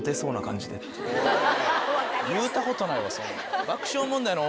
言うたことないわそんな。